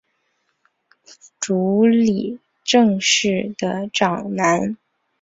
足利政氏的长男。